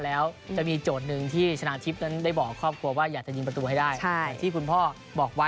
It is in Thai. แล้วจะมีโจทย์นึงที่ชนะมันบอกข้อบครัวว่าอยากจะยิงประตูให้ได้ที่คุณพ่อบอกไว้